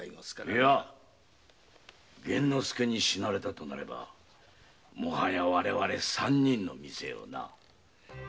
いや幻之介に死なれたとなればもはや我々三人の店よの。